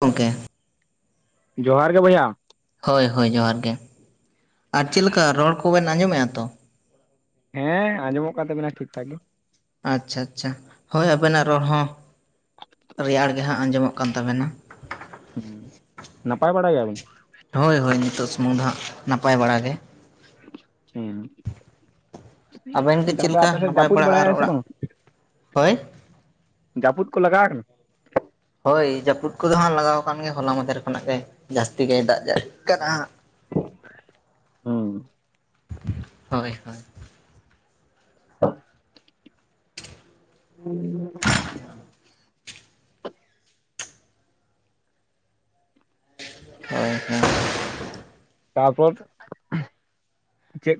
ᱜᱚᱝᱠᱮ ᱡᱚᱦᱟᱨ ᱜᱮ ᱵᱚᱭᱦᱟ ᱦᱳᱭ ᱦᱳᱭ ᱡᱚᱦᱟᱨ ᱜᱮ, ᱟᱨ ᱪᱮᱫ ᱞᱮᱠᱟ ᱨᱚᱲ ᱠᱚᱵᱮᱱ ᱟᱸᱡᱚᱢ ᱮᱜᱼᱟ ᱛᱚ? ᱦᱮᱸ ᱟᱸᱡᱚᱢᱚᱜ ᱠᱟᱱ ᱛᱟᱵᱮᱱᱟ ᱴᱷᱤᱠ ᱴᱷᱟᱠ ᱜᱮ᱾ ᱟᱪᱪᱷᱟ ᱟᱪᱪᱷᱟ ᱦᱳᱭ ᱟᱵᱮᱱᱟᱜ ᱨᱚᱲ ᱦᱚᱸ ᱨᱮᱭᱟᱲ ᱜᱮ ᱦᱟᱸᱜ ᱟᱸᱡᱚᱢᱚᱜ ᱠᱟᱱ ᱛᱟᱵᱮᱱᱟ᱾ ᱦᱮᱸ ᱱᱟᱯᱟᱭ ᱵᱟᱲᱟ ᱜᱮᱭᱟ ᱵᱤᱱ? ᱦᱳᱭ ᱦᱳᱭ ᱱᱤᱛᱚᱜ ᱥᱩᱢᱩᱝ ᱫᱚ ᱦᱟᱸᱜ, ᱱᱟᱯᱟᱭ ᱵᱟᱲᱟ ᱜᱮ᱾ ᱟᱵᱮᱱ ᱜᱮ ᱪᱮᱫ ᱞᱮᱠᱟ [unintelligible] [inaudible] ᱱᱟᱯᱟᱭ ᱡᱟᱯᱩᱛ ᱵᱟᱲᱟ ᱵᱟᱲᱟᱭ ᱟᱨ ᱥᱮ ᱚᱲᱟᱜ ᱵᱟᱝ? ᱦᱳᱭ ᱡᱟᱹᱯᱩᱫ ᱠᱚ ᱞᱟᱜᱟᱣ ᱠᱟᱱᱟ ᱦᱳᱭ ᱡᱟᱹᱯᱩᱫ ᱠᱚᱫᱚ ᱦᱟᱸᱜ ᱞᱟᱜᱟᱣ ᱟᱠᱟᱱ ᱜᱮᱭᱟ ᱦᱚᱞᱟ ᱢᱟᱫᱷᱮᱨ ᱠᱷᱚᱱᱟᱜ ᱜᱮ ᱡᱟᱹᱥᱛᱤ ᱜᱮ ᱫᱟᱜ ᱡᱟᱲᱤᱜ ᱠᱟᱱᱟ ᱦᱩᱸ ᱦᱳᱭ ᱦᱳᱭ ᱦ [inaudible] ᱦᱮᱸ [unintelligible] ᱦᱳᱭᱠᱷ [inaudible] ᱛᱟᱨᱯᱚᱨ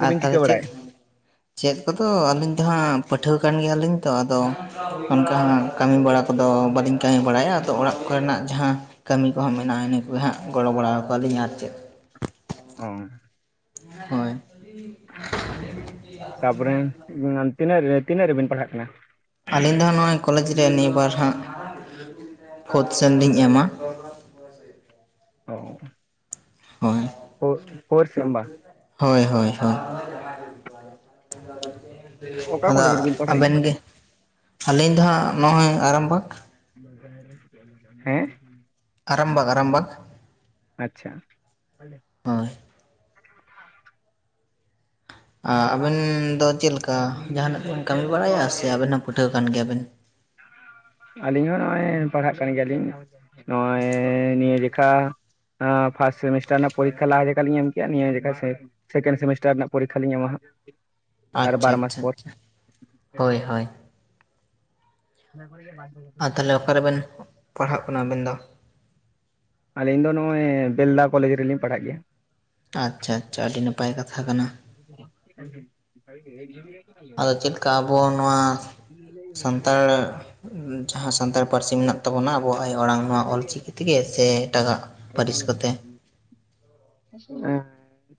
ᱟᱨ ᱛᱟᱞᱦᱮ ᱪᱮᱫ ᱪᱮᱫ ᱠᱚᱫᱚ ᱟᱹᱞᱤᱧ ᱫᱚ ᱦᱟᱸᱜ ᱯᱟᱹᱴᱷᱣᱟ ᱠᱟᱱ ᱜᱮᱭᱟᱞᱤᱧ ᱛᱚ ᱟᱫᱚ ᱚᱱᱠᱟ ᱦᱟᱸᱜ ᱠᱟᱹᱢᱤ ᱵᱟᱲᱟ ᱠᱚᱫᱚ ᱵᱟᱹᱞᱤᱧ ᱠᱟᱹᱢᱤ ᱵᱟᱲᱟᱭᱟ ᱟᱫᱚ ᱚᱲᱟᱜ ᱠᱚᱨᱮᱱᱟᱜ ᱡᱟᱦᱟᱸ ᱠᱟᱹᱢᱤ ᱠᱚᱦᱚᱸ ᱢᱮᱱᱟᱜᱼᱟ ᱤᱱᱟᱹ ᱠᱚᱜᱮ ᱦᱟᱸᱜ ᱜᱚᱲᱚ ᱵᱟᱲᱟ ᱠᱚ ᱟᱞᱤᱧ ᱟᱨ ᱪᱮᱫ ᱚ ᱦᱳᱭ [unintelligible] ᱛᱟᱯᱚᱨᱮ ᱛᱤᱱᱟᱹᱜ ᱛᱤᱱᱟᱹᱜ ᱨᱮᱵᱤᱱ ᱯᱟᱲᱦᱟᱜ ᱠᱟᱱᱟ ᱟᱹᱞᱤᱧ ᱫᱚᱜ ᱱᱚᱜᱼᱚᱭ ᱠᱚᱞᱮᱡᱽ ᱨᱮ ᱱᱤᱭᱟᱹ ᱵᱟᱨ ᱦᱟᱸᱜ ᱯᱷᱳᱨᱛ ᱥᱮᱱ ᱞᱤᱧ ᱮᱢᱟ ᱚ ᱦᱳᱭ [unintelligible] ᱦᱳᱭ ᱦᱳᱭ ᱦᱳᱭ [unintelligible] ᱚᱠᱟ ᱟᱫᱚ ᱠᱚᱞᱮᱡᱽ ᱨᱮᱵᱤᱱ ᱯᱟᱲᱦᱟᱜ ᱟᱵᱮᱱ ᱜᱮᱭᱟ ᱜᱮ ᱟᱹᱞᱤᱧ ᱫᱚ ᱦᱟᱸᱜ ᱱᱚᱜᱼᱚᱭ ᱟᱨᱟᱢᱵᱟᱜᱽ ᱦᱮᱸ ᱟᱨᱟᱢᱵᱟᱜᱽ ᱟᱨᱟᱢᱵᱟᱜᱽ ᱟᱪᱪᱷᱟ ᱦᱳᱭ ᱟᱵᱮᱱ ᱫᱚ ᱪᱮᱫ ᱞᱮᱠᱟ ᱡᱟᱦᱟᱱᱟᱜ ᱵᱮᱱ ᱠᱟᱹᱢᱤ ᱵᱟᱲᱟᱭᱟ ᱥᱮ ᱟᱵᱮᱱ ᱦᱚᱸ ᱯᱟᱹᱴᱷᱩᱣᱟᱹ ᱠᱟᱱ ᱜᱮᱭᱟ ᱵᱤᱱ ᱟᱹᱞᱤᱧ ᱦᱚᱸ ᱱᱚᱜᱼᱚᱭ ᱯᱟᱲᱦᱟᱜ ᱠᱟᱱ ᱜᱮᱭᱟᱞᱤᱧ ᱱᱤᱭᱟᱹᱡᱮᱠᱷᱟ ᱯᱷᱟᱥᱴ ᱥᱮᱢᱤᱥᱴᱟᱨ ᱨᱮᱱᱟᱜ ᱯᱚᱨᱤᱠᱷᱟ ᱞᱟᱦᱟ ᱡᱮᱷᱠᱟ ᱞᱤᱧ ᱮᱢ ᱠᱮᱭᱟ ᱱᱤᱭᱟᱹ ᱡᱷᱮᱠᱷᱟ ᱥᱮ ᱥᱮᱠᱮᱱᱰ ᱥᱮᱢᱤᱥᱴᱟᱨ ᱨᱮᱱᱟᱜ ᱯᱚᱨᱤᱠᱷᱟ ᱞᱤᱧ ᱮᱢᱟ ᱦᱟᱜ ᱟᱨ ᱟᱪᱪᱷᱟ ᱵᱟᱨ ᱢᱟᱥ ᱟᱪᱪᱷᱟ ᱯᱚᱨ ᱟᱪᱪᱷᱟ ᱦᱳᱭ ᱦᱳᱭ ᱜᱮ [inaudible] ᱟᱨ ᱛᱟᱦᱚᱞᱮ ᱚᱠᱟᱨᱮᱵᱮᱱ ᱯᱟᱲᱦᱟᱜ ᱠᱟᱱᱟ ᱟᱵᱮᱱ ᱫᱚ ᱟᱹᱞᱤᱧ ᱫᱚ ᱱᱚᱜᱼᱚᱭ ᱵᱮᱞᱫᱟ ᱠᱚᱞᱮᱡᱽ ᱨᱮᱞᱤᱧ ᱯᱟᱲᱦᱟᱜ ᱜᱮᱭᱟ ᱟᱪᱪᱷᱟ ᱟᱪᱪᱷᱟ ᱟᱹᱰᱤ ᱱᱟᱯᱟᱭ ᱠᱟᱛᱷᱟ ᱠᱟᱱᱟ [inaudible] ᱟᱫᱚ ᱪᱮᱫᱠᱟ ᱟᱵᱚ ᱱᱚᱣᱟ ᱥᱟᱱᱛᱟᱲ ᱡᱟᱦᱟᱸ ᱥᱟᱱᱛᱟᱲ ᱯᱟᱹᱨᱥᱤ ᱢᱮᱱᱟᱜ ᱛᱟᱵᱚᱱᱟ ᱟᱵᱚᱣᱟᱜ ᱟᱭᱳ ᱟᱲᱟᱝ ᱱᱚᱣᱟ ᱚᱞᱪᱤᱠᱤ ᱛᱮᱜᱮ ᱥᱮ ᱮᱴᱟᱜᱟᱜ ᱯᱟᱹᱨᱥᱤ ᱠᱚᱛᱮ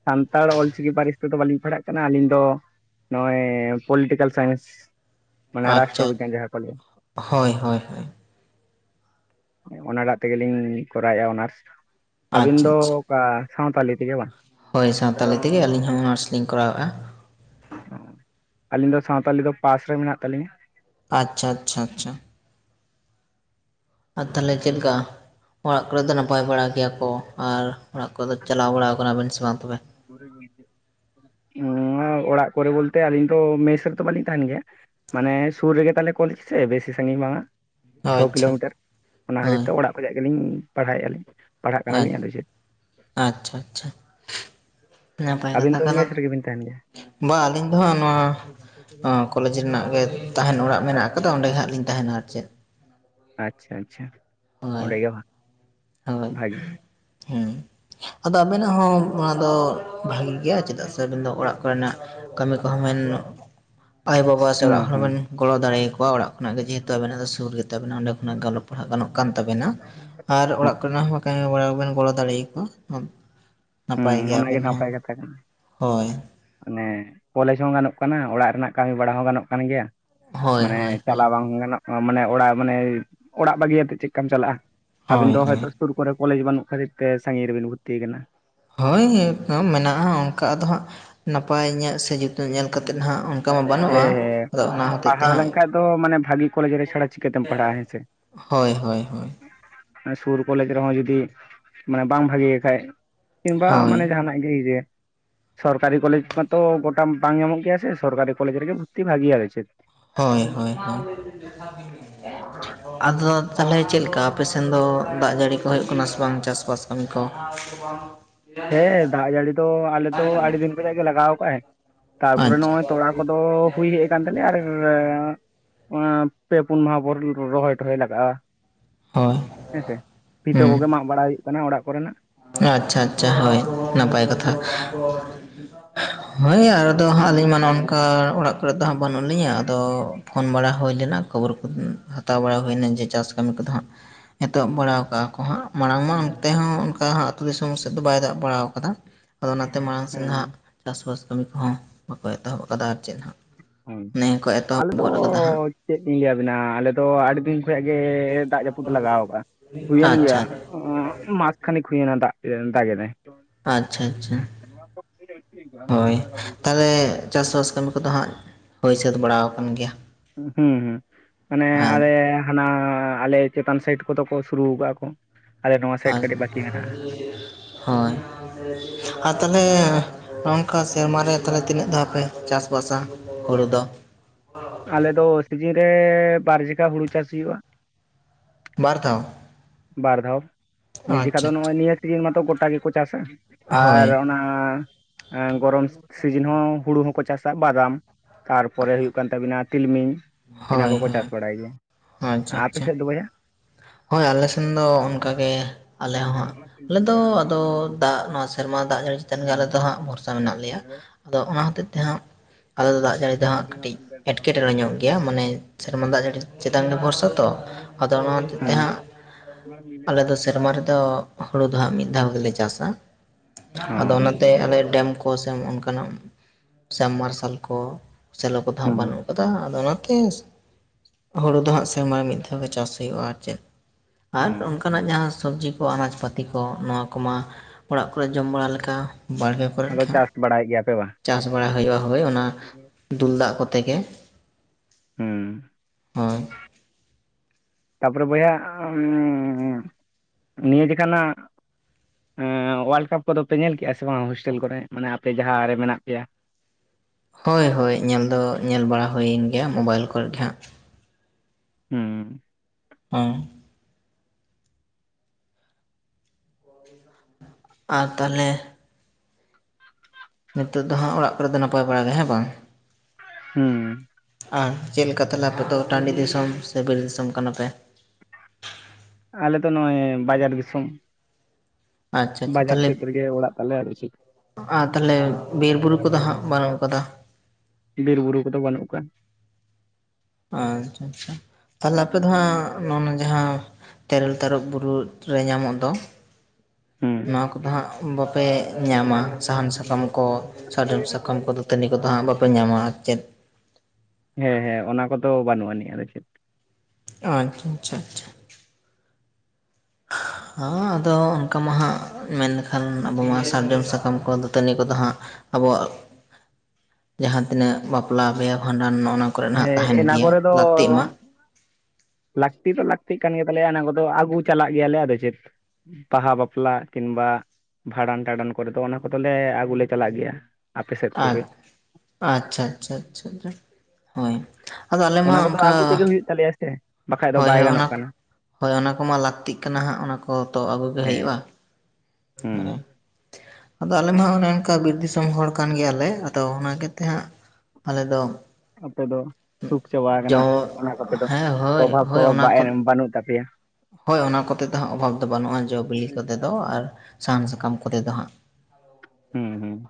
ᱥᱟᱱᱛᱟᱲ ᱚᱞᱪᱤᱠᱤ ᱯᱟᱹᱨᱥᱤ ᱚᱠᱛᱚ ᱫᱚ ᱵᱟᱹᱞᱤᱧ ᱯᱟᱲᱦᱟᱜ ᱠᱟᱱᱟ ᱟᱹᱞᱤᱧ ᱫᱚ ᱱᱚᱜᱼᱚᱭ ᱯᱚᱞᱤᱴᱤᱠᱮᱞ ᱥᱟᱭᱮᱱᱥ ᱢᱟᱱᱮ ᱨᱟᱥᱴᱨᱚ ᱟᱪᱪᱷᱟ ᱵᱤᱜᱽᱜᱟᱱ ᱡᱟᱦᱟᱸ ᱠᱚ ᱦᱳᱭ ᱦᱳᱭ ᱦᱳᱭ ᱚᱱᱟᱴᱟᱜ ᱛᱮᱜᱮᱞᱤᱧ ᱠᱚᱨᱟᱣᱮᱜᱼᱟ ᱚᱱᱟᱨᱥ ᱟᱹᱵᱤᱱ ᱟᱪᱪᱷᱟ ᱫᱚ ᱟᱪᱪᱷᱟ ᱵᱟ ᱥᱟᱶᱛᱟᱞᱤ ᱛᱮᱜᱮ ᱵᱟᱝ ᱦᱳᱭ ᱥᱟᱶᱛᱟᱞᱤ ᱛᱮᱜᱮ ᱟᱹᱞᱤᱧ ᱦᱚᱸ ᱚᱱᱟᱨᱥ ᱞᱤᱧ ᱠᱚᱨᱟᱣ ᱮᱜ ᱼᱟ ᱚ ᱟᱹᱞᱤᱧ ᱫᱚ ᱥᱟᱶᱛᱟᱞᱤ ᱫᱚ ᱯᱟᱥ ᱨᱮ ᱢᱮᱱᱟᱜ ᱛᱟᱹᱞᱤᱧᱟ ᱟᱪᱪᱷᱟ ᱟᱪᱪᱷᱟ ᱟᱪᱪᱷᱟ ᱟᱨ ᱛᱟᱦᱞᱮ ᱪᱮᱫ ᱞᱮᱠᱟ ᱚᱲᱟᱜ ᱠᱚᱨᱮ ᱫᱚ ᱱᱟᱯᱟᱭ ᱵᱟᱲᱟ ᱜᱮᱭᱟ ᱠᱚ ᱟᱨ ᱚᱲᱟᱜ ᱠᱚᱫᱚ ᱪᱟᱞᱟᱣ ᱵᱟᱲᱟ ᱟᱠᱟᱱᱟᱵᱮᱱ ᱥᱮ ᱵᱟᱝ ᱛᱚᱵᱮ ᱱᱚᱣᱟ ᱚᱲᱟᱜ ᱠᱚᱨᱮ ᱵᱚᱞᱛᱮ ᱟᱹᱞᱤᱧ ᱫᱚ ᱢᱮᱥ ᱨᱮᱫᱚ ᱵᱟᱹᱞᱤᱧ ᱛᱟᱦᱮᱱ ᱜᱮᱭᱟ᱾ ᱢᱟᱱᱮ ᱥᱩᱨ ᱨᱮᱜᱮ ᱛᱟᱦᱚᱞᱮ ᱠᱚᱞᱮᱪ ᱥᱮ ᱵᱮᱥᱤ ᱥᱟᱺᱜᱤᱧ ᱵᱟᱝᱟ᱾ ᱚ ᱪᱷᱚ ᱟᱪᱪᱷᱟ ᱠᱤᱞᱳᱢᱤᱴᱟᱨ ᱚᱱᱟ ᱠᱷᱟᱹᱛᱤᱨ ᱦᱳᱭ ᱛᱮ ᱚᱲᱟᱜ ᱠᱷᱚᱱᱟᱜ ᱜᱮᱞᱤᱧ ᱯᱟᱲᱦᱟᱣᱮᱜᱼᱟ ᱞᱤᱧ ᱯᱟᱲᱦᱟᱜ ᱠᱟᱱᱟᱞᱤᱧ ᱟᱫᱚ ᱪᱮᱫ ᱟᱪᱪᱷᱟ ᱟᱪᱪᱷᱟ ᱱᱟᱯᱟᱭ ᱠᱟᱛᱷᱟ ᱟᱹᱵᱤᱱ ᱫᱚ ᱠᱟᱱᱟ᱾ ᱢᱮᱥ ᱨᱮᱜᱮ ᱵᱤᱱ ᱛᱟᱦᱮᱱ ᱜᱮᱭᱟ ᱵᱟ ᱟᱹᱞᱤᱧ ᱫᱚ ᱦᱟᱸᱜ ᱱᱚᱣᱟ ᱠᱚᱞᱮᱡᱽ ᱨᱮᱱᱟᱜ ᱜᱮ ᱛᱟᱦᱮᱱ ᱚᱲᱟᱜ ᱢᱮᱱᱟᱜ ᱠᱟᱫᱟ ᱚᱸᱰᱮ ᱜᱮ ᱦᱟᱸᱜ ᱞᱤᱧ ᱛᱟᱦᱮᱱᱟ ᱟᱨ ᱪᱮᱫ᱾ ᱟᱪᱪᱷᱟ ᱟᱪᱪᱷᱟ ᱦᱳᱭ ᱚᱸᱰᱮ ᱜᱮ ᱦᱳᱭ ᱵᱷᱟᱜᱤ᱾ ᱦᱮᱸ ᱟᱫᱚ ᱟᱵᱮᱱᱟᱜ ᱦᱚᱸ ᱚᱱᱟ ᱫᱚ ᱵᱷᱟᱜᱤ ᱜᱮᱭᱟ ᱪᱮᱫᱟᱜ ᱥᱮ ᱟᱵᱮᱱ ᱫᱚ ᱚᱲᱟᱜ ᱠᱚᱨᱮᱱᱟᱜ ᱠᱟᱹᱢᱤ ᱠᱚᱦᱚᱸ ᱢᱮᱱ ᱟᱭᱳᱵᱟᱵᱟ ᱥᱮ ᱦᱩᱸ ᱚᱲᱟᱜ ᱦᱚᱲ ᱦᱩᱸ ᱵᱮᱱ ᱜᱚᱲᱚ ᱫᱟᱲᱮᱭᱟᱣᱟ ᱚᱲᱟᱜ ᱠᱷᱚᱱᱟᱜ ᱜᱮ ᱡᱮᱦᱮᱛᱩ ᱟᱵᱮᱱᱟᱜ ᱫᱚ ᱥᱩᱨ ᱜᱮᱛᱟᱵᱮᱱᱟ ᱚᱰᱮ ᱠᱷᱚᱱᱟᱜ ᱜᱟᱞᱚ ᱯᱟᱲᱦᱟᱜ ᱜᱟᱱᱚᱜ ᱠᱟᱱ ᱛᱟᱵᱤᱱᱟ, ᱟᱨ ᱚᱲᱟᱜ ᱠᱚᱨᱮ ᱦᱚᱸ ᱠᱟᱹᱢᱤ ᱵᱟᱲᱟᱵᱮᱱ ᱜᱚᱲᱚ ᱫᱟᱲᱮᱭᱟᱠᱚᱣᱟ᱾ ᱦᱩᱸ ᱱᱟᱯᱟᱭ ᱚᱱᱟᱜᱮ ᱜᱮᱭᱟᱵᱮᱱ ᱦᱚᱸ ᱱᱟᱯᱟᱭ ᱠᱟᱛᱷᱟ ᱠᱟᱱᱟ ᱦᱳᱭ᱾ ᱢᱟᱱᱮ ᱠᱚᱞᱮᱡᱽ ᱦᱚᱸ ᱜᱟᱱᱚᱜ ᱠᱟᱱᱟ ᱚᱲᱟᱜ ᱨᱮᱱᱟᱜ ᱠᱟᱹᱢᱤ ᱵᱟᱲᱟ ᱦᱚᱸ ᱜᱟᱱᱚᱜ ᱠᱟᱱ ᱜᱮᱭᱟ᱾ ᱦᱳᱭ ᱢᱟᱱᱮ ᱦᱳᱭ ᱦᱳᱭ ᱪᱟᱞᱟᱣ ᱵᱟᱝ ᱜᱟᱱᱚᱜᱼᱟ᱾ ᱢᱟᱱᱮ ᱚᱲᱟᱜ ᱢᱟᱱᱮ ᱚᱲᱟᱜ ᱵᱟᱹᱜᱤᱭᱟᱛᱮᱫ ᱪᱮᱫᱞᱮᱠᱟᱢ ᱪᱟᱞᱟᱜᱼᱟ᱾ ᱟᱵᱤᱱ ᱫᱚ ᱦᱳᱭ ᱦᱚᱭᱛᱚ ᱥᱩᱨ ᱠᱚᱨᱮ ᱠᱚᱞᱮᱡᱽ ᱵᱟᱹᱱᱩᱜ ᱠᱷᱟᱹᱛᱤᱨ ᱛᱮ ᱥᱟᱺᱜᱤᱧ ᱨᱮᱵᱤᱱ ᱵᱷᱚᱨᱛᱤ ᱠᱟᱱᱟ᱾ ᱦᱳᱭ ᱢᱮᱱᱟᱜᱼᱟ ᱚᱱᱠᱟ ᱟᱫᱚ ᱦᱟᱸᱜ, ᱱᱟᱯᱟᱭ ᱧᱚᱜ ᱥᱮ ᱡᱩᱛᱚᱜ ᱧᱮᱞ ᱠᱟᱛᱮᱫ ᱦᱟᱸᱜ ᱚᱱ ᱠᱟ ᱵᱟᱹᱱᱩᱜᱼᱟ ᱟᱫᱚ ᱚᱱᱟ ᱦᱚᱛᱮᱜ ᱛᱮ ᱦᱟᱸᱜ ᱛᱚ ᱢᱟᱱᱮ ᱵᱷᱟᱜᱤ ᱠᱚᱞᱮᱡᱽ ᱨᱮ ᱪᱷᱟᱲᱟ ᱪᱤᱠᱟᱹᱛᱮᱢ ᱯᱟᱲᱦᱟᱜᱼᱟ ᱦᱮᱸ ᱥᱮ᱾ ᱦᱳᱭ ᱦᱳᱭ ᱦᱳᱭ ᱥᱩᱨ ᱠᱚᱞᱮᱡᱽ ᱨᱮᱦᱚᱸ ᱡᱩᱫᱤ ᱢᱟᱱᱮ ᱵᱟᱝ ᱵᱷᱟᱜᱮ ᱠᱷᱟᱡ ᱠᱤᱢᱵᱟ ᱦᱳᱭ ᱢᱟᱱᱮ ᱡᱟᱦᱟᱱᱟᱜ [unintelligible] ᱡᱮ ᱥᱚᱨᱠᱤ ᱠᱚᱞᱡᱽ ᱢᱟᱛᱚ ᱜᱚᱴᱟ ᱵᱟᱝ ᱧᱟᱢᱚᱜ ᱜᱮᱭᱟ ᱥᱮ ᱥᱚᱨᱠᱟᱨᱤ ᱠᱚᱞᱡᱽ ᱨᱮᱜᱮ ᱵᱷᱩᱨᱛᱤ ᱵᱷᱟᱜᱤᱭᱟ ᱟᱫᱚ ᱪᱮᱫ ᱾ ᱦᱳᱭ ᱦᱳᱭ ᱦᱳᱭ [inaudible] [inaudible] ᱟᱫᱚ ᱛᱟᱦᱚᱞᱮ ᱪᱮᱫᱞᱮᱠᱟ ᱟᱯᱮ ᱥᱮᱱ ᱫᱚ ᱫᱟᱜ ᱡᱟᱹᱲᱤ ᱠᱚ ᱦᱩᱭᱩᱜ ᱠᱟᱱᱟ ᱥᱮ ᱵᱟᱝ ᱪᱟᱥᱵᱟᱥ ᱚᱝᱠᱚ [unintelligible] ᱦᱮᱸ ᱫᱟᱜ ᱡᱟᱹᱲᱤ ᱫᱚ ᱟᱞᱮ ᱫᱚ ᱟᱹᱰᱤ ᱫᱤᱱ ᱠᱷᱚᱡᱟᱜ ᱜᱮ ᱞᱟᱜᱟᱣ ᱠᱟᱜᱟᱭ ᱛᱟᱨᱯᱚᱨᱮ ᱟᱪᱪᱷᱟ ᱱᱚᱜᱼᱚᱭ ᱛᱚᱲᱟ ᱠᱚᱫᱚ ᱦᱩᱭ ᱦᱮᱡ ᱠᱟᱱᱟᱱ ᱛᱟᱞᱮᱭᱟ ᱟᱨ ᱮᱸ ᱯᱮ ᱯᱩᱱ ᱢᱟᱦᱟ ᱯᱚᱨ ᱨᱚᱦᱚᱭ ᱴᱚᱦᱚᱭ ᱞᱟᱜᱟᱜᱼᱟ᱾ ᱦᱳᱭ ᱦᱮᱸᱥᱮ ᱯᱷᱤᱛᱟᱹ ᱦᱩᱸ ᱠᱚᱜᱮ ᱢᱟᱜ ᱵᱟᱲᱟ ᱦᱩᱭᱩᱜ ᱠᱟᱱᱟ ᱚᱲᱟᱜ ᱠᱚᱨᱮᱱᱟᱜ᱾ ᱟᱪᱪᱷᱟ ᱟᱪᱪᱷᱟ ᱦᱳᱭ ᱱᱟᱯᱟᱭ ᱠᱟᱛᱷᱟ᱾ ᱦᱳᱭ ᱟᱫᱚ ᱟᱹᱞᱤᱧ ᱢᱟ ᱱᱚᱜ ᱱᱚᱝᱠᱟ ᱚᱲᱟᱜ ᱠᱚᱨᱮ ᱫᱚ ᱦᱟᱸᱜ ᱵᱟᱹᱱᱩᱜ ᱞᱤᱧᱟ ᱟᱫᱚ ᱯᱷᱳᱱ ᱵᱟᱲᱟ ᱦᱩᱭ ᱞᱮᱱᱟ ᱠᱷᱚᱵᱚᱨ ᱠᱚ ᱦᱟᱛᱟᱣ ᱵᱟᱲᱟ ᱦᱩᱭᱱᱟ ᱡᱮ ᱪᱟᱥ ᱠᱟᱹᱢᱤ ᱠᱚᱫᱚ ᱦᱟᱸᱜ ᱮᱛᱚᱦᱚᱵ ᱵᱟᱲᱟᱟᱣ ᱠᱟᱜᱼᱟ ᱠᱚ ᱦᱟᱸᱜ ᱢᱟᱲᱟᱝ ᱢᱟ ᱚᱱᱛᱮ ᱦᱚᱸ ᱠᱟ ᱦᱟᱜ ᱟᱹᱛᱩ ᱫᱤᱥᱚᱢ ᱥᱮᱫ ᱫᱚ ᱵᱟᱭ ᱫᱟᱜ ᱵᱟᱲᱟᱣ ᱠᱟᱫᱟ ᱟᱫᱚ ᱚᱱᱟᱛᱮ ᱢᱟᱲᱟᱝ ᱥᱮᱫ ᱦᱮᱸ ᱦᱟᱸᱜ ᱪᱟᱥᱵᱟᱥ ᱠᱟᱹᱢᱤ ᱠᱚᱦᱚᱸ ᱵᱟᱠᱚ ᱮᱛᱚᱦᱚᱵ ᱟᱠᱟᱫᱟ ᱟᱨ ᱪᱮᱫ ᱦᱟᱜ᱾ ᱦᱳᱭ ᱟᱞᱮᱫᱚ ᱦᱟᱸᱜ ᱪᱮᱫ ᱞᱤᱧ ᱞᱟᱹᱭᱟᱵᱤᱱᱟ ᱟᱞᱮᱫᱚ ᱟᱹᱰᱤ ᱫᱤᱱ ᱠᱷᱚᱡ ᱜᱮ ᱫᱟᱜ ᱡᱟᱹᱯᱩᱫ ᱞᱮ ᱞᱟᱜᱟᱣ ᱠᱟᱜᱼᱟ᱾ ᱦᱩᱭᱮᱱ ᱜᱮᱭᱟ ᱟᱪᱪᱷᱟ ᱢᱟᱥ ᱠᱷᱟᱱᱤᱠ ᱦᱩᱭᱱᱟ ᱫᱟᱜ ᱫᱟᱜᱟᱭ᱾ ᱟᱪᱪᱷᱟ ᱟᱪᱪᱷᱟ ᱦᱳᱭ ᱛᱟᱦᱚᱞᱮ ᱪᱟᱥᱵᱟᱥ ᱠᱟᱹᱢᱤ ᱠᱚᱫᱚ ᱦᱟᱸᱜ ᱦᱳᱭ ᱥᱟᱹᱛ ᱵᱟᱲᱟᱣ ᱟᱠᱟᱱ ᱜᱮᱭᱟ᱾ ᱦᱩᱸ ᱦᱩᱸ ᱢᱟᱱᱮ ᱟᱨ ᱟᱨᱮ ᱦᱟᱱᱟ ᱟᱞᱮ ᱪᱮᱛᱟᱱ ᱥᱟᱭᱤᱰ ᱠᱚᱫᱚ ᱠᱚ ᱥᱩᱨᱩ ᱠᱟᱜᱼᱟ ᱠᱚ᱾ ᱟᱞᱮ ᱱᱚᱣᱟ [unintelligible] ᱥᱟᱭᱤᱰ ᱟᱨ ᱠᱟᱹᱴᱤᱡ ᱵᱟᱹᱠᱤ ᱢᱮᱱᱟᱜᱼᱟ ᱦᱳᱭ ᱟᱨ ᱛᱟᱦᱚᱞᱮ ᱱᱚᱝᱠᱟ ᱥᱮᱨᱢᱟᱨᱮ ᱛᱟᱦᱚᱞᱮ ᱛᱤᱱᱟᱹᱜ ᱫᱷᱟᱣ ᱯᱮ ᱪᱟᱥᱵᱟᱥᱟ ᱦᱳᱨᱳ ᱫᱚ? ᱟᱞᱮᱫ ᱫᱚ ᱥᱤᱡᱤᱱ ᱨᱮᱻ ᱵᱟᱨᱡᱟᱠᱟ ᱦᱩᱲᱩ ᱪᱟᱥ ᱦᱩᱭᱩᱜᱼᱟ᱾ ᱵᱟᱨ ᱫᱷᱟᱹᱣ? ᱵᱟᱨ ᱫᱷᱟᱣ ᱾ ᱢᱤᱫ ᱡᱚᱠᱷᱟ ᱫᱚ ᱟᱪᱪᱷᱟ ᱱᱚᱜᱼᱚᱭ ᱱᱤᱭᱟᱹ ᱥᱤᱡᱤᱱ ᱢᱟᱛᱚ ᱜᱚᱴᱟ ᱜᱮᱠᱚ ᱪᱟᱥᱟ, ᱟᱨ ᱦᱳᱭ ᱚᱱᱟ ᱟᱸ ᱟᱸ ᱜᱚᱨᱚᱢ ᱥᱤᱡᱤᱱ ᱦᱚᱸ ᱦᱳᱲᱳ ᱦᱚᱸᱠᱚ ᱪᱟᱥᱟ ᱵᱟᱫᱟᱢ᱾ ᱛᱟᱨᱯᱚᱨᱮ ᱦᱩᱭᱩᱜ ᱠᱟᱱ ᱛᱟᱵᱮᱱᱟ ᱛᱤᱞᱢᱤᱧ ᱚᱱᱟ ᱦᱳᱭ ᱠᱚᱠᱚ ᱪᱟᱥ ᱦᱳᱭ ᱵᱟᱲᱟᱭ ᱜᱮᱭᱟ ᱟᱪᱪᱷᱟ ᱾ ᱟᱯᱮ ᱟᱪᱪᱷᱟ ᱥᱮᱫ ᱫᱚ ᱵᱚᱭᱦᱟ? ᱦᱳᱭ ᱟᱞᱮ ᱥᱮᱱ ᱫᱚ ᱚᱱᱠᱟ ᱜᱮ ᱟᱞᱮ ᱦᱚᱸ ᱦᱟᱸᱜ ᱟᱞᱮ ᱫᱚ ᱟᱫᱚ ᱫᱟᱜ ᱱᱚᱣᱟ ᱥᱮᱨᱢᱟ ᱫᱟᱜ ᱡᱟᱹᱲᱤ ᱪᱮᱛᱟᱱ ᱜᱮ ᱟᱞᱮ ᱫᱚ ᱦᱟᱸᱜ ᱵᱷᱚᱨᱥᱟ ᱢᱮᱱᱟᱜ ᱞᱮᱭᱟ ᱾ ᱟᱫᱚ ᱚᱱᱟ ᱦᱚᱛᱮᱡ ᱛᱮᱦᱟᱸᱜ ᱟᱞᱮ ᱫᱚ ᱫᱟᱜ ᱡᱟᱹᱲᱤ ᱫᱚ ᱦᱟᱸᱜ ᱠᱟᱹᱴᱤᱡ ᱮᱸᱴᱠᱮᱴᱚᱬᱮ ᱧᱚᱜ ᱜᱮᱭᱟ ᱢᱟᱱᱮ ᱥᱮᱨᱢᱟ ᱫᱟᱜ ᱡᱟᱹᱲᱤ ᱪᱮᱛᱟᱱ ᱨᱮ ᱵᱷᱚᱨᱥᱟ ᱛᱚ ᱟᱫᱚ ᱱᱚᱣᱟ ᱛᱮᱦᱟᱸᱜ ᱟᱞᱮ ᱫᱚ ᱥᱮᱨᱢᱟ ᱨᱮᱫᱚ ᱦᱩᱲᱩ ᱫᱚ ᱦᱟᱸᱜ ᱢᱤᱫ ᱫᱷᱟᱣ ᱜᱮᱞᱮ ᱪᱟᱥᱟ ᱾ ᱟᱫᱚ ᱚᱱᱟ ᱦᱩᱸ ᱛᱮ ᱟᱞᱮ ᱰᱮᱢ ᱠᱚ ᱥᱮ ᱚᱱᱠᱟᱱᱟᱜ ᱥᱟᱢ ᱢᱟᱨᱥᱟᱞ ᱠᱚ ᱥᱮᱞᱚ ᱠᱚᱫᱚ ᱦᱟᱸᱜ ᱦᱚᱸ ᱵᱟᱹᱱᱩᱜ ᱠᱟᱫᱟ ᱟᱫᱚ ᱚᱱᱟ ᱛᱮ ᱦᱩᱲᱩ ᱫᱚ ᱦᱟᱸᱜ ᱥᱮᱨᱢᱟ ᱨᱮ ᱢᱤᱫ ᱫᱷᱟᱣ ᱜᱮ ᱪᱟᱥ ᱦᱩᱭᱩᱜ-ᱟ ᱟᱨ ᱪᱮᱫ ᱟᱨ ᱦᱚᱸ ᱚᱱᱠᱟᱱᱟᱜ ᱡᱟᱦᱟᱸ ᱥᱚᱵᱽᱡᱤ ᱠᱚ ᱟᱱᱟᱡᱽ ᱯᱟᱹᱛᱤ ᱠᱚ ᱱᱚᱣᱟ ᱠᱚᱢᱟ ᱚᱲᱟᱜ ᱠᱚᱨᱮ ᱡᱚᱢ ᱵᱟᱲᱟ ᱞᱮᱠᱟ ᱵᱟᱲᱜᱮ ᱨᱮ ᱟᱫᱚ ᱦᱟᱸᱜ ᱪᱟᱥ ᱵᱟᱲᱟᱭᱮᱫ ᱜᱮᱭᱟ ᱯᱮ ᱵᱟᱝ ᱪᱟᱥ ᱵᱟᱲᱟ ᱦᱩᱭᱩᱜ-ᱟ ᱦᱳᱭ ᱚᱱᱟ ᱫᱩᱞ ᱫᱟᱜ ᱠᱚᱛᱮ ᱜᱮ ᱦᱩᱸ ᱦᱳᱭ ᱛᱟᱯᱚᱨᱮ ᱵᱚᱭᱦᱟ ᱱᱤᱭᱟᱹ ᱡᱮᱠᱷᱟᱱᱟᱜ ᱚᱣᱟᱞᱨᱰ ᱠᱟᱯ ᱠᱚᱫᱚ ᱯᱮ ᱧᱮᱞ ᱠᱮᱫᱮᱜ-ᱟ ᱥᱮ ᱵᱟᱝ? ᱦᱳᱥᱴᱮᱞ ᱠᱚᱨᱮ ᱢᱟᱱᱮ ᱟᱯᱮ ᱡᱟᱦᱟᱸ ᱨᱮ ᱢᱮᱱᱟᱜ ᱯᱮᱭᱟ᱾ ᱦᱳᱭ ᱦᱳᱭ ᱧᱮᱞ ᱫᱚ ᱧᱮᱞ ᱵᱟᱲᱟ ᱦᱩᱭᱮᱱ ᱜᱮᱭᱟ ᱢᱳᱵᱟᱭᱤᱞ ᱠᱚᱨᱮ ᱜᱮ ᱦᱟᱸᱜ ᱾ ᱦᱩᱸ ᱦᱮᱸ ᱾ ᱟᱨ ᱛᱟᱦᱚᱞᱮ ᱱᱤᱛᱚᱜ ᱫᱚ ᱦᱟᱸᱜ ᱚᱲᱟᱜ ᱠᱚᱨᱮ ᱫᱚ ᱱᱟᱯᱟᱭ ᱵᱟᱲᱟ ᱜᱮᱭᱟ ᱦᱮᱸ ᱵᱟᱝ ᱦᱩᱸ ᱾ ᱟᱨ ᱪᱮᱫ ᱞᱮᱠᱟ ᱛᱟᱦᱚᱞᱮ ᱟᱯᱮ ᱫᱚ ᱴᱟᱺᱰᱤ ᱫᱤᱥᱚᱢ ᱥᱮ ᱵᱤᱨ ᱫᱤᱥᱚᱢ ᱠᱟᱱᱟ ᱯᱮ? ᱟᱞᱮ ᱫᱚ ᱱᱚᱜ-ᱚᱭ ᱵᱟᱡᱟᱨ ᱫᱤᱥᱚᱢ ᱾ ᱟᱪᱪᱷᱟ ᱟᱪᱪᱷᱟ ᱛᱟᱦᱞᱮ ᱨᱮᱜᱮ ᱚᱲᱟᱜ ᱛᱟᱞᱮ ᱟᱫᱚ ᱪᱮᱫ ᱟᱨ ᱛᱟᱦᱚᱞᱮ ᱵᱤᱨ ᱵᱩᱨᱩ ᱠᱚᱫᱚ ᱦᱟᱸᱜ ᱵᱟᱹᱱᱩᱜ ᱟᱠᱟᱫᱟ ᱾ ᱵᱤᱨ ᱵᱩᱨᱩ ᱠᱚᱫᱚ ᱵᱟᱹᱱᱩᱜ ᱠᱟᱜ-ᱟ ᱾ ᱟᱪᱪᱷᱟ ᱟᱪᱪᱷᱟ ᱛᱟᱦᱞᱮ ᱦᱩᱸ ᱟᱯᱮ ᱫᱚ ᱦᱟᱸᱜ ᱱᱚᱱ ᱡᱟᱦᱟᱸ ᱛᱮᱨᱮᱞ ᱛᱟᱨᱚᱯ ᱵᱩᱨᱩ ᱨᱮ ᱧᱟᱢᱚᱜ ᱫᱚ ᱱᱚᱣᱟ ᱠᱚᱫᱚ ᱦᱟᱸᱜ ᱵᱟᱯᱮ ᱧᱟᱢᱟ ᱥᱟᱦᱟᱱ ᱥᱟᱠᱟᱢ ᱠᱚ ᱾ ᱥᱟᱰᱚᱢ ᱥᱟᱠᱟᱢ ᱠᱚᱫᱚ ᱫᱟᱹᱛᱟᱹᱱᱤ ᱠᱚᱫᱚ ᱦᱟᱸᱜ ᱵᱟᱯᱮ ᱧᱟᱢᱟ ᱟᱨ ᱪᱮᱫ ᱦᱮᱸ ᱦᱮᱸ ᱚᱱᱟ ᱠᱚᱫᱚ ᱵᱟᱹᱱᱩᱜ ᱟᱹᱱᱤᱡ ᱟᱫᱚ ᱪᱮᱫ ᱾ ᱟᱪᱪᱷᱟ ᱟᱪᱪᱷᱟ ᱟᱪᱪᱷᱟ ᱾ [inaudible] ᱦᱮᱸ ᱟᱫᱚ ᱚᱱᱠᱟ ᱢᱟ ᱦᱟᱸᱜ ᱢᱮᱱ ᱞᱮᱠᱷᱟᱱ ᱟᱵᱚ ᱢᱟ ᱥᱟᱨᱡᱚᱢ ᱥᱟᱠᱟᱢ ᱠᱚ ᱫᱟᱹᱛᱟᱹᱱᱤ ᱠᱚᱫᱚ ᱦᱟᱸᱜ ᱟᱵᱚᱣᱟᱜ ᱡᱟᱦᱟᱸ ᱛᱤᱱᱟᱹᱜ ᱵᱟᱯᱞᱟ ᱵᱤᱭᱟ ᱵᱷᱟᱸᱰᱟᱱ ᱱᱚᱜ-ᱚ ᱱᱚᱣᱟ ᱦᱮᱸ ᱤᱱᱟᱹ ᱠᱚᱨᱮ ᱫᱚ ᱞᱟᱹᱠᱛᱤ ᱫᱚ ᱞᱟᱹᱠᱛᱤᱜ ᱠᱟᱱ ᱜᱮ ᱛᱟᱞᱮᱭᱟ ᱚᱱᱟ ᱠᱚᱫᱚ ᱟᱹᱜᱩ ᱪᱟᱞᱟᱜ ᱜᱮᱭᱟᱞᱮ ᱟᱫᱚ ᱪᱮᱫ ᱾ ᱵᱟᱦᱟ ᱵᱟᱯᱞᱟ ᱠᱤᱢᱵᱟ ᱵᱷᱟᱸᱰᱟᱱ ᱴᱟᱰᱟᱱ ᱠᱚᱨᱮᱫ ᱫᱚ ᱚᱱᱟ ᱠᱚᱫᱚ ᱞᱮ ᱟᱹᱜᱩ ᱞᱮ ᱪᱟᱞᱟᱜ ᱜᱮᱭᱟ ᱾ ᱟᱯᱮ ᱥᱮᱫ ᱠᱚ ᱜᱮ ᱟᱨ ᱟᱪᱪᱷᱟ ᱪᱪᱪᱷᱟ ᱪᱷᱟ ᱦᱳᱭ ᱟᱫᱚ ᱟᱞᱮ ᱢᱟ ᱚᱱᱟ ᱠᱚᱫᱚ ᱚᱱᱠᱟ ᱟᱹᱜᱩ ᱛᱮᱜᱮ ᱦᱩᱭᱩᱜ ᱛᱟᱞᱮᱭᱟ ᱥᱮ ᱵᱟᱠᱷᱟᱡ ᱫᱚ ᱦᱳᱭ ᱵᱟᱭ ᱦᱳᱭ ᱚᱱᱟ ᱜᱟᱱᱚᱜ ᱠᱟᱱᱟ ᱦᱚᱭ ᱚᱱᱟᱠᱚᱢᱟ ᱞᱟᱹᱠᱛᱤᱜ ᱠᱟᱱᱟ ᱦᱟᱸᱜ ᱚᱱᱟ ᱠᱚ ᱛᱚ ᱟᱹᱜᱩᱮ ᱦᱮᱸ ᱦᱩᱭᱩᱜ-ᱟ ᱾ ᱦᱩᱸ ᱟᱫᱚ ᱟᱞᱮ ᱢᱟ ᱚᱱᱮ ᱚᱱᱠᱟ ᱵᱤᱨ ᱫᱤᱥᱚᱢ ᱦᱚᱲ ᱠᱟᱱ ᱜᱮᱭᱟ ᱞᱮ ᱟᱫᱚ ᱚᱱᱟ ᱤᱭᱟᱹ ᱛᱮ ᱦᱟᱸᱜ ᱟᱞᱮ ᱫᱚ ᱟᱯᱮ ᱫᱚ ᱥᱩᱠ ᱪᱟᱵᱟ ᱟᱠᱟᱱᱟ ᱥᱮ ᱡᱚ ᱚᱱᱟ ᱠᱚᱛᱮ ᱫᱚ ᱦᱮᱸ ᱦᱳᱭ ᱚᱵᱷᱟᱵᱽ ᱠᱚ ᱦᱳᱭ ᱚᱱᱟ ᱵᱟᱹᱱᱩᱜ ᱛᱟᱯᱮᱭᱟ ᱦᱳᱭ ᱚᱱᱟ ᱠᱚᱛᱮ ᱫᱚ ᱦᱟᱸᱜ ᱚᱵᱷᱟᱵᱽ ᱫᱚ ᱵᱟᱹᱱᱩᱜ-ᱟ ᱡᱚ-ᱵᱤᱞᱤ ᱠᱚᱛᱮ ᱫᱚ ᱟᱨ ᱥᱟᱦᱟᱱ ᱥᱟᱠᱟᱢ ᱠᱚᱛᱮ ᱫᱚ ᱦᱟᱸᱜ ᱦᱩᱸ ᱦᱩᱸ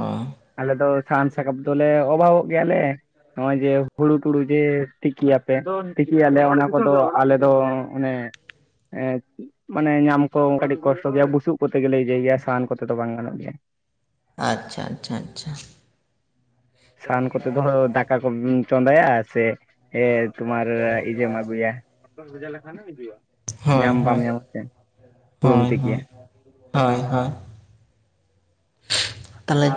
ᱦᱚ ᱟᱞᱮ ᱫᱚ ᱥᱟᱦᱟᱱ ᱥᱟᱠᱟᱢ ᱫᱚᱞᱮ ᱚᱵᱷᱟᱵᱚᱜ ᱜᱮᱭᱟᱞᱮ ᱱᱚᱜ-ᱚᱭ ᱡᱮ ᱦᱩᱲᱩ ᱴᱩᱲᱩ ᱡᱮ ᱛᱤᱠᱤᱭᱟᱯᱮ ᱛᱤᱠᱤᱭᱟᱞᱮ ᱚᱱᱟ ᱠᱚᱫᱚ ᱟᱞᱮ ᱫᱚ ᱚᱱᱮ ᱮᱸᱫ ᱢᱟᱱᱮ ᱧᱟᱢ ᱠᱚ ᱠᱟᱹᱴᱤᱡ ᱠᱚᱥᱴᱚ ᱜᱮᱭᱟ ᱵᱩᱥᱩᱯ ᱠᱚᱛᱮ ᱜᱮᱞᱮ ᱤᱭᱟᱹᱭ ᱜᱮᱭᱟ ᱥᱟᱦᱟᱱ ᱠᱚᱛᱮ ᱫᱚ ᱵᱟᱝ ᱜᱟᱱᱚᱜ ᱜᱮᱭᱟ᱾ ᱟᱪᱪᱷᱟ ᱟᱪᱪᱷᱟ ᱟᱪᱪᱷᱟ᱾ ᱥᱟᱦᱟᱱ ᱠᱚᱛᱮ ᱫᱚ ᱫᱟᱠᱟ ᱠᱚᱢ ᱪᱚᱸᱫᱟᱭᱟ ᱥᱮ ᱛᱳᱢᱟᱨ ᱤᱡᱟᱹᱢ ᱟᱹᱜᱩᱭᱟ ᱦᱳᱭ ᱧᱟᱢ ᱵᱟᱢ ᱦᱳᱭ ᱧᱟᱢᱟ ᱥᱮ᱾ ᱦᱩᱲᱩᱢ ᱦᱳᱭ ᱛᱤᱠᱤᱭᱟ᱾ ᱦᱳᱭ ᱦᱳᱭ ᱦᱳᱭ᱾ ᱛᱟᱞᱦᱮ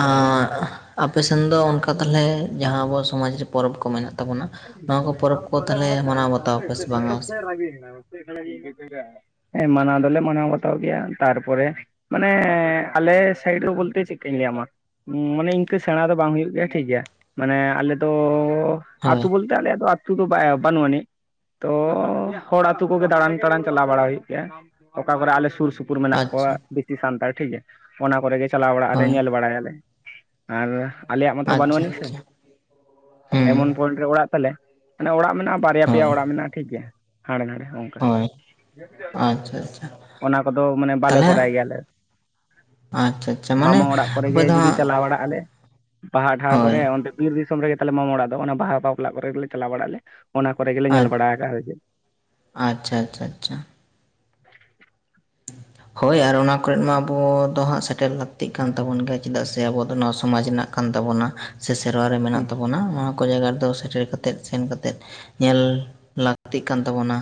ᱮᱸᱜ ᱟᱯᱮᱥᱮᱱ ᱫᱚ ᱚᱱᱠᱟ ᱛᱟᱞᱦᱮ ᱡᱟᱦᱟᱸ ᱟᱵᱚ ᱥᱚᱢᱟᱡᱽ ᱨᱮ ᱯᱚᱨᱚᱵᱽ ᱠᱚ ᱢᱮᱱᱟᱜ ᱛᱟᱵᱚᱱᱟ ᱱᱚᱣᱟ ᱠᱚ ᱯᱚᱨᱚᱵᱽ ᱠᱚ ᱛᱟᱦᱚᱞᱮ ᱢᱟᱱᱟᱣ ᱵᱟᱛᱟᱣ ᱯᱮ ᱥᱮ ᱵᱟᱝ ᱟ? [unintelligible] ᱦᱮᱸ᱾ ᱢᱟᱱᱟᱣ ᱫᱚᱞᱮ ᱢᱟᱱᱟᱣ ᱵᱟᱛᱟᱣ ᱜᱮᱭᱟ ᱛᱟᱨᱯᱚᱨᱮ ᱢᱟᱱᱮ ᱟᱞᱮ ᱥᱟᱭᱤᱰ ᱨᱮ ᱵᱚᱞᱛᱮ ᱪᱮᱜ ᱠᱟᱧ ᱞᱟᱹᱭᱟᱢᱟ᱾ ᱢᱟᱱᱮ ᱤᱱᱠᱟᱹ ᱥᱮᱬᱟ ᱫᱚ ᱵᱟᱝ ᱦᱩᱭᱩᱜ ᱜᱮᱭᱟ ᱴᱷᱤᱠᱜᱮᱭᱟ᱾ ᱢᱟᱱᱮ ᱟᱞᱮ ᱫᱚ ᱟᱛᱩ ᱦᱳᱭ ᱵᱚᱞᱛᱮ ᱟᱞᱮᱭᱟᱜ ᱫᱚ ᱟᱛᱩ ᱫᱚ ᱵᱟᱭ ᱵᱟᱹᱱᱩᱜ ᱟᱹᱱᱤᱡ᱾ ᱛᱚ ᱦᱚᱲ ᱟᱹᱛᱩ ᱠᱚᱜᱮ ᱫᱟᱬᱟᱱ ᱛᱟᱬᱟᱱ ᱪᱟᱞᱟᱣ ᱵᱟᱲᱟ ᱦᱩᱭᱩᱜ ᱜᱮᱭᱟ᱾ ᱚᱠᱟ ᱠᱚᱨᱮ ᱟᱞᱮ ᱥᱩᱨ ᱥᱩᱯᱩᱨ ᱯᱩᱨ ᱢᱮᱱᱟᱜ ᱠᱚᱣᱟ ᱟᱪᱪᱷᱟ ᱵᱮᱥᱤ ᱥᱟᱱᱛᱟᱲ ᱴᱷᱤᱠ ᱜᱮᱭᱟ ᱚᱱᱟ ᱠᱚ ᱨᱮᱜᱮ ᱪᱟᱞᱟᱣ ᱵᱟᱲᱟᱜ ᱟᱞᱮ ᱦᱳᱭ ᱧᱮᱞ ᱵᱟᱲᱟᱭᱟᱞᱮ᱾ ᱟᱨ ᱟᱞᱮᱭᱟᱜ ᱢᱟᱛᱚ ᱵᱟᱹᱱᱩᱜ ᱟᱪᱪᱷᱟ ᱟᱹᱱᱤᱡ ᱥᱮ᱾ ᱟᱪᱪᱷᱟ ᱦᱩᱸ ᱮᱢᱚᱱ ᱯᱚᱭᱮᱱᱴ ᱨᱮ ᱚᱲᱟᱜ ᱛᱟᱞᱮ ᱢᱟᱱᱮ ᱚᱲᱟᱜ ᱢᱮᱱᱟᱜ-ᱟ ᱵᱟᱨᱭᱟ ᱯᱮᱭᱟ ᱦᱳᱭ ᱚᱲᱟᱜ ᱢᱮᱱᱟᱜ-ᱟ᱾ ᱴᱷᱤᱠ ᱜᱮᱭᱟ ᱦᱟᱸᱰᱮ ᱱᱟᱰᱮ ᱦᱳᱭ ᱟᱪᱪᱷᱟ ᱟᱪᱪᱷᱟ ᱚᱱᱟ ᱠᱚᱫᱚ ᱢᱟᱱᱮ ᱵᱟᱞᱮ ᱛᱟᱦᱚᱞᱮ ᱠᱚᱨᱟᱭ ᱜᱮᱭᱟᱞᱮ᱾ ᱟᱪᱪᱷᱟ ᱟᱪᱪᱷᱟ ᱢᱟᱱᱮ ᱢᱟᱢᱟ ᱚᱲᱟᱜ ᱠᱚᱨᱮ ᱟᱯᱮ ᱜᱮ ᱫᱚ ᱡᱩᱫᱤ ᱦᱟᱸᱜ ᱪᱟᱞᱟᱣ ᱵᱟᱲᱟᱜ-ᱟᱞᱮ ᱵᱟᱦᱟ ᱰᱟᱦᱟ ᱦᱳᱭ ᱠᱚᱨᱮ ᱚᱱᱛᱮ ᱵᱤᱨ ᱫᱤᱥᱚᱢ ᱨᱮᱜᱮ ᱛᱟᱞᱮ ᱢᱟᱢᱚ ᱚᱲᱟᱜ ᱫᱚ᱾ ᱚᱱᱟ ᱵᱟᱦᱟ ᱵᱟᱯᱞᱟ ᱠᱚᱨᱮ ᱜᱮᱞᱮ ᱪᱟᱞᱟᱣ ᱵᱟᱲᱟᱜ ᱞᱮ ᱚᱱᱟ ᱠᱚᱨᱮ ᱜᱮᱞᱮ ᱧᱮᱞ ᱵᱟᱲᱟ ᱟᱠᱟᱫ-ᱟ᱾ ᱦᱩᱭ ᱪᱮᱫ ᱟᱪᱪᱷᱟ ᱟᱪᱪᱷᱟ ᱟᱪᱪᱷᱟ᱾ [inaudible] ᱦᱳᱭ ᱟᱨ ᱚᱱᱟ ᱠᱚᱨᱮᱜ ᱢᱟ ᱟᱵᱚ ᱫᱚ ᱦᱟᱸᱜ ᱥᱮᱴᱮᱨ ᱞᱟᱹᱠᱛᱤᱜ ᱠᱟᱱ ᱛᱟᱵᱚᱱ ᱜᱮᱭᱟ᱾ ᱪᱮᱫᱟᱜ ᱥᱮ ᱟᱵᱚᱣᱟᱜ ᱫᱚ ᱱᱚᱣᱟ ᱥᱚᱢᱟᱡᱽ ᱨᱮᱱᱟᱜ ᱠᱟᱱ ᱛᱟᱵᱚᱱᱟ ᱥᱮ ᱥᱮᱨᱣᱟ ᱨᱮ ᱢᱮᱱᱟᱜ ᱦᱮᱸ ᱛᱟᱵᱚᱱᱟ᱾ ᱚᱱᱟ ᱠᱚ ᱡᱟᱭᱜᱟ ᱨᱮᱫᱚ ᱥᱮᱴᱮᱨ ᱠᱟᱛᱮᱫ ᱥᱮᱱ ᱠᱟᱛᱮᱫ ᱧᱮᱞ ᱞᱟᱹᱠᱛᱤᱜ ᱠᱟᱱ ᱛᱟᱵᱳᱱᱟ᱾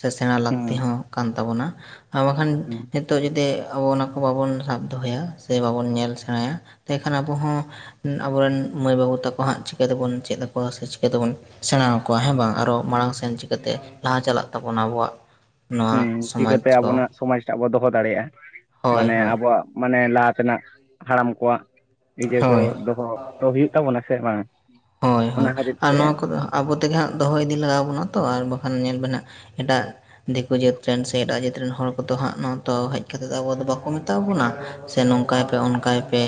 ᱥᱮ ᱥᱮᱬᱟ ᱞᱟᱹᱠᱛᱤ ᱦᱮᱸ ᱦᱚᱸ ᱠᱟᱱ ᱛᱟᱵᱳᱱᱟ᱾ ᱟᱨ ᱵᱟᱠᱷᱟᱱ ᱦᱮᱸ ᱱᱤᱛᱚᱜ ᱡᱩᱫᱤ ᱟᱵᱚ ᱚᱱᱟ ᱠᱚ ᱵᱟᱵᱚᱱ ᱥᱟᱵ ᱫᱚᱦᱚᱭᱟ ᱥᱮ ᱵᱟᱵᱚᱱ ᱧᱮᱞ ᱥᱮᱬᱟᱭᱟ ᱛᱮ ᱠᱷᱟᱱ ᱟᱵᱚ ᱦᱚᱸ ᱟᱵᱚᱨᱮᱱ ᱢᱟᱹᱭ ᱵᱟᱹᱵᱩ ᱛᱟᱠᱚ ᱦᱟᱸᱜ ᱪᱤᱠᱟᱹ ᱛᱮᱵᱚᱱ ᱪᱮᱫ ᱟᱠᱚᱣᱟ ᱥᱮ ᱪᱤᱠᱟᱹ ᱛᱮᱵᱚᱱ ᱥᱮᱬᱟᱣ ᱟᱠᱚᱣᱟ ᱦᱮᱸ ᱵᱟᱝ ᱟᱨᱚ ᱢᱟᱲᱟᱝ ᱥᱮᱱ ᱪᱤᱠᱟᱹᱛᱮ ᱞᱟᱦᱟ ᱪᱟᱞᱟᱜ ᱛᱟᱵᱚᱱᱟ ᱟᱵᱚᱣᱟᱜ ᱱᱚᱣᱟ ᱦᱩᱸ ᱥᱚᱢᱟᱡᱽ ᱪᱤᱠᱟᱹᱛᱮ ᱠᱚ ᱟᱵᱚᱱᱟᱜ ᱥᱚᱢᱟᱡ ᱴᱟᱜ ᱵᱚ ᱫᱚᱦᱚ ᱫᱟᱲᱮᱭᱟᱜ-ᱟ᱾ ᱦᱳᱭ ᱢᱟᱱᱮ ᱦᱳᱭ ᱟᱵᱚᱣᱟᱜ ᱢᱟᱱᱮ ᱞᱟᱦᱟ ᱛᱮᱱᱟᱜ ᱦᱟᱲᱟᱢ ᱠᱚᱣᱟᱜ ᱤᱡᱟᱹ ᱠᱚ ᱦᱳᱭ ᱫᱚᱦᱚ ᱛᱚ ᱦᱩᱭᱩᱜ ᱛᱟᱵᱚᱱᱟ ᱥᱮ ᱵᱟᱝ ᱦᱳᱭ ᱦᱳᱭ ᱚᱱᱟ ᱠᱷᱟᱹᱛᱤᱨ ᱟᱨ ᱛᱮ ᱱᱚᱣᱟ ᱠᱚᱫᱚ ᱟᱵᱚ ᱛᱮᱜᱮ ᱦᱟᱸᱜ ᱫᱚᱦᱚ ᱤᱫᱤ ᱞᱟᱜᱟᱣ ᱵᱚᱱᱟ ᱛᱚ᱾ ᱟᱨ ᱵᱟᱠᱷᱟᱱ ᱧᱮᱞ ᱵᱮᱱ ᱦᱟᱸᱜ ᱮᱴᱟᱜ ᱫᱤᱠᱩ ᱡᱟᱹᱛ ᱨᱮᱱ ᱥᱮ ᱮᱴᱟᱜ ᱡᱟᱹᱛ ᱨᱮᱱ ᱦᱚᱲ ᱠᱚᱫᱚ ᱦᱟᱸᱜ ᱱᱚᱣᱟ ᱛᱚ ᱦᱮᱡ ᱠᱟᱛᱮᱜ ᱫᱚ ᱟᱵᱚ ᱫᱚ ᱵᱟᱠᱚ ᱢᱮᱛᱟᱣ ᱵᱚᱱᱟ, ᱥᱮ ᱱᱚᱝᱠᱟᱭ ᱯᱮ ᱚᱱᱠᱟᱭ ᱯᱮ᱾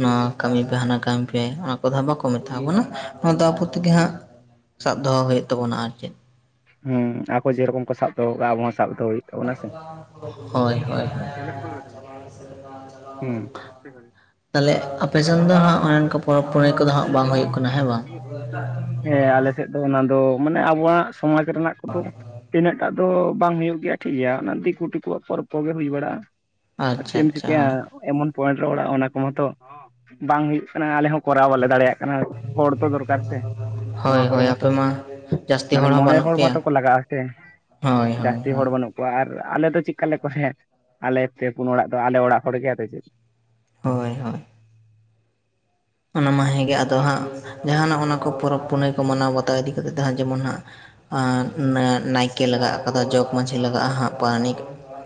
ᱱᱚᱣᱟ ᱠᱟᱹᱢᱤ ᱯᱮ ᱦᱟᱱᱟ ᱠᱟᱹᱢᱤ ᱯᱮ ᱚᱱᱟ ᱠᱚᱫᱚ ᱵᱟᱠᱚ ᱢᱮᱛᱟᱣ ᱵᱚᱱᱟ᱾ ᱱᱚᱣᱟ ᱫᱚ ᱟᱵᱚ ᱛᱮᱜᱮ ᱦᱟᱸᱜ ᱥᱟᱵ ᱫᱚᱦᱚ ᱦᱩᱭᱩᱜ ᱛᱟᱵᱚᱱᱟ ᱟᱨ ᱪᱮᱫ᱾ ᱦᱮᱸ ᱟᱠᱚ ᱡᱮ ᱨᱚᱠᱚᱢ ᱠᱚ ᱥᱟᱵ ᱫᱚᱦᱚ ᱠᱟᱜ-ᱟ, ᱟᱵᱚ ᱦᱚᱸ ᱥᱟᱵ ᱫᱚᱦᱚ ᱦᱩᱭᱩᱜ-ᱟ᱾ ᱦᱳᱭ ᱦᱳᱭ ᱦᱳᱭ᱾ ᱦᱮᱸ ᱛᱟᱞᱦᱮ ᱟᱯᱮ ᱥᱮᱱ ᱫᱚ ᱦᱟᱸᱜ ᱚᱱᱮ ᱚᱱᱠᱟ ᱯᱚᱨᱚᱵᱽ ᱯᱩᱱᱟᱹᱭ ᱠᱚᱫᱚ ᱦᱟᱸᱜ ᱵᱟᱝ ᱦᱩᱭᱩᱜ ᱠᱟᱱᱟ ᱦᱮᱸ ᱵᱟᱝ? ᱦᱮᱸ ᱟᱞᱮ ᱥᱮᱫ ᱫᱚ ᱚᱱᱟ ᱫᱚ ᱢᱟᱱᱮ ᱟᱵᱚᱣᱟᱜ ᱥᱚᱢᱟᱡᱽ ᱨᱮᱱᱟᱜ ᱠᱚᱫᱚ ᱛᱤᱱᱟᱹᱜ ᱴᱟᱜ ᱫᱚ ᱵᱟᱝ ᱦᱩᱭᱩᱜ ᱜᱮᱭᱟ ᱴᱷᱤᱠ ᱜᱮᱭᱟ᱾ ᱚᱱᱟ ᱫᱤᱠᱩ ᱴᱤᱠᱩᱣᱟᱜ ᱯᱚᱨᱚᱵᱽ ᱠᱚ ᱜᱮ ᱦᱩᱭ ᱵᱟᱲᱟᱜ-ᱟ᱾ ᱟᱨ ᱟᱪᱪᱷᱟ ᱪᱮᱫ ᱮᱢ ᱟᱪᱪᱷᱟ ᱪᱤᱠᱟᱹᱭᱟ ᱦᱳᱭ ᱮᱢᱚᱱ ᱯᱚᱭᱮᱱᱴ ᱨᱮ ᱚᱲᱟᱜ ᱚᱱᱟ ᱠᱚ ᱢᱟᱛᱚ ᱵᱟᱝ ᱦᱩᱭᱩᱜ ᱠᱟᱱᱟ᱾ ᱟᱞᱮ ᱦᱚᱸ ᱠᱚᱨᱟᱣ ᱵᱟᱞᱮ ᱫᱟᱲᱮᱭᱟᱜ ᱠᱟᱱᱟ᱾ ᱦᱮ ᱦᱚᱲ ᱛᱚ ᱫᱚᱨᱠᱟᱨ ᱥᱮ᱾ ᱦᱳᱭ ᱱᱚᱣᱟ ᱠᱚᱨᱮ ᱦᱳᱭ ᱢᱟᱛᱚ ᱟᱯᱮ ᱢᱟ ᱡᱟᱹᱥᱛᱤ ᱢᱟᱱᱮ ᱦᱚᱸ ᱢᱚᱬᱮ ᱵᱟᱹᱱᱩᱜ ᱦᱚᱲ ᱢᱟᱛᱚ ᱯᱮᱭᱟ ᱠᱚ ᱞᱟᱜᱟᱜᱼᱟ ᱥᱮ ᱦᱳᱭ ᱦᱳᱭ ᱡᱟᱹᱥᱛᱤ ᱦᱳᱭ ᱦᱚᱲ ᱵᱟᱹᱱᱩᱜ ᱠᱩᱭᱟ ᱟᱨ ᱟᱞᱮ ᱫᱚ ᱪᱮᱫᱠᱟ ᱞᱮ ᱠᱚᱦᱮ ᱟᱞᱮ ᱯᱮ ᱯᱩᱱ ᱚᱲᱟᱜ ᱫᱚ ᱟᱞᱮ ᱚᱲᱟᱜ ᱦᱚᱲᱚᱜᱮ ᱟᱫᱚ ᱪᱮᱫ᱾ ᱦᱳᱭ ᱦᱳᱭ᱾ ᱚᱱᱟ ᱢᱟ ᱦᱮᱸᱜᱮ ᱟᱫᱚ ᱦᱟᱸᱜ ᱡᱟᱦᱟᱱᱟᱜ ᱚᱱᱟ ᱠᱚ ᱯᱚᱨᱚᱵᱽ ᱯᱩᱱᱟᱹᱭ ᱠᱚ ᱢᱟᱱᱟᱣ ᱵᱟᱛᱟᱣ ᱤᱫᱤ ᱠᱟᱛᱮᱫ ᱡᱟᱦᱟᱸ ᱡᱮᱢᱚᱱ ᱦᱟᱸᱜ ᱟᱨ ᱱᱟᱹ ᱱᱟᱭᱠᱮ ᱞᱟᱜᱟᱜᱼᱟ ᱠᱟᱫᱟ ᱡᱚᱜ ᱢᱟᱸᱡᱷᱤ ᱞᱟᱜᱟᱜᱼᱟ ᱦᱟᱸᱜ ᱯᱟᱨᱟᱱᱤᱠ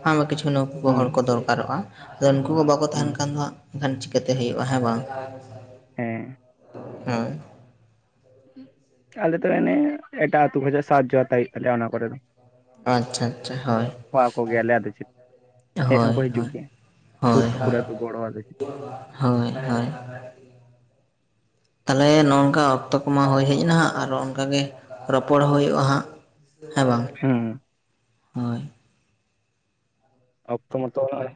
ᱟᱭᱢᱟ ᱠᱤᱪᱷᱩ ᱱᱩᱠᱚ ᱦᱩᱸ ᱦᱚᱲ ᱠᱚ ᱫᱚᱨᱠᱟᱨᱚᱜᱼᱟ ᱟᱫᱚ ᱱᱩᱠᱩ ᱠᱚ ᱵᱟᱠᱚ ᱦᱩᱸ ᱛᱟᱦᱮᱱ ᱠᱷᱟᱱ ᱫᱚ ᱦᱟᱸᱜ ᱮᱱᱠᱷᱟᱱ ᱪᱤᱠᱟᱹᱛᱮ ᱦᱩᱭᱩᱜᱼᱟ ᱦᱮᱸ ᱵᱟᱝ? ᱦᱮᱸ᱾ ᱦᱮᱸ᱾ ᱟᱞᱮ ᱫᱚ ᱮᱱᱮ ᱮᱴᱟᱜ ᱟᱹᱛᱩ ᱠᱷᱚᱡᱟᱜ ᱥᱟᱦᱟᱡᱡᱚ ᱦᱟᱛᱟ ᱦᱳᱭᱳᱜ ᱛᱟᱞᱮᱭᱟ᱾᱾ ᱚᱱᱟ ᱠᱚᱨᱮ ᱫᱚ ᱟᱪᱪᱷᱟ ᱟᱪᱪᱷᱟ ᱦᱚᱭ ᱦᱚᱦᱚ ᱟᱠᱚ ᱜᱮᱭᱟᱞᱮ ᱟᱫᱚ ᱪᱮᱫ ᱾ ᱦᱮᱡ ᱦᱳᱭ ᱦᱚᱸᱠᱚ ᱦᱤᱡᱩᱜ ᱦᱳᱭ ᱜᱮᱭᱟ ᱥᱩᱨ ᱦᱳᱭ ᱥᱩᱯᱩᱨ ᱟᱛᱳ ᱦᱳᱭ ᱜᱚᱲᱚ ᱟᱞᱮ ᱦᱳᱭ ᱦᱳᱭ᱾ ᱛᱟᱦᱚᱞᱮ ᱱᱚᱝᱠᱟ ᱚᱠᱛᱚ ᱠᱚᱢᱟ ᱦᱩᱭ ᱦᱮᱡ ᱱᱟᱦᱟᱜ ᱟᱨ ᱚᱱᱠᱟᱜᱮ ᱨᱚᱯᱚᱲ ᱦᱩᱭᱩᱜᱼᱟ ᱦᱟᱸᱜ᱾ ᱦᱮᱸ ᱵᱟᱝ? ᱦᱩᱸ᱾ ᱦᱳᱭ᱾ ᱚᱠᱴᱚ ᱢᱟᱛᱚ ᱱᱟᱜᱼᱚᱭ